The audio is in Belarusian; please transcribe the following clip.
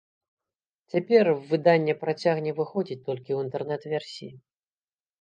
Цяпер выданне працягне выходзіць толькі ў інтэрнэт-версіі.